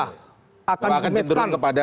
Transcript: bahwa akan cenderung kepada